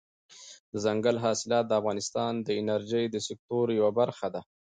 دځنګل حاصلات د افغانستان د انرژۍ د سکتور یوه برخه ده.